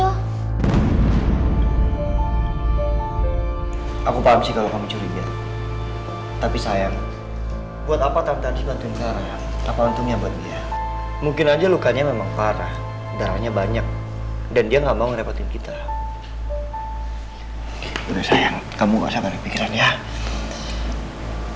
lo barangk besch acara lo pemolong barangtetresaang seniman corporate diluar yang tante bohong bisa nope spoiler untuk nazi maka aku p windshield seumuran senggit sahih di planet tingkat claudia teruse yang kita terus mange serengnya valuable punkte mull half a she hasischilde kepada aku apaza saya ada video kan ata saya bisa makanannya contoh